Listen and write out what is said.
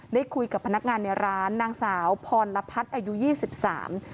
ได้คุยกับพนักงานในร้านนางสาวพรพัฒน์อายุยี่สิบสาม